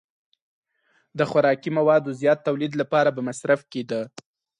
د خوراکي موادو زیات تولید لپاره به مصرف کېده.